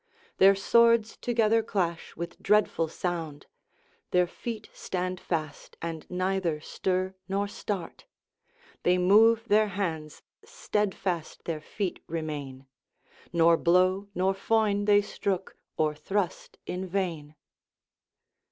Their swords together clash with dreadful sound, Their feet stand fast, and neither stir nor start, They move their hands, steadfast their feet remain. Nor blow nor foin they strook, or thrust in vain."